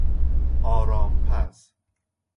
آرامپز